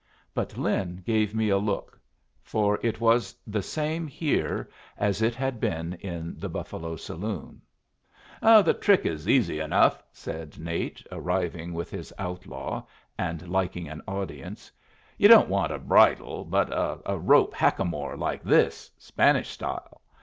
But Lin gave me a look; for it was the same here as it had been in the Buffalo saloon. "The trick is easy enough," said Nate, arriving with his outlaw, and liking an audience. "You don't want a bridle, but a rope hackamore like this Spanish style.